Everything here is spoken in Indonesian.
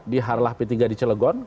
di harlah p tiga di celegon